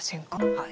はい。